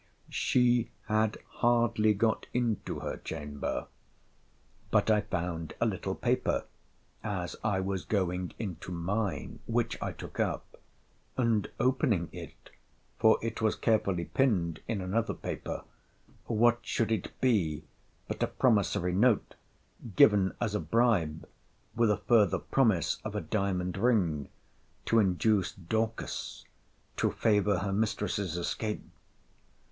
She had hardly got into her chamber, but I found a little paper, as I was going into mine, which I took up; and opening it, (for it was carefully pinned in another paper,) what should it be but a promissory note, given as a bribe, with a further promise of a diamond ring, to induce Dorcas to favour her mistress's escape?